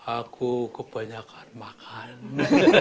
aku kebanyakan makan